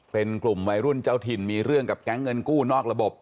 เป็นกลุ่มวัยรุ่นเจ้าถิ่นมีเรื่องกับแก๊งเงินกู้นอกระบบ